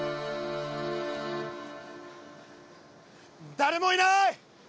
誰もいない！